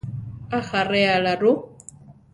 ¿Ajaréala rú?